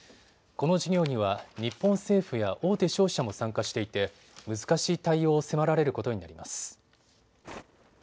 この事業には日本政府や大手商社も参加していて難しい対応を迫られることになります。